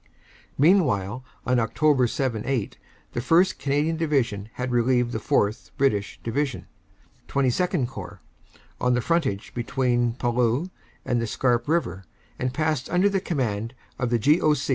"Meanwhile, on Oct. 7 8, the 1st. Canadian Division had relieved the 4th. (British) Division (XXII Corps) on the frontage between Palluel and the Scarpe River, and passed under the command of the G. O.